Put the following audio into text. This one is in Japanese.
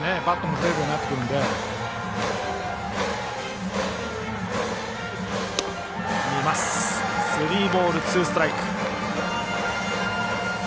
スリーボールツーストライク。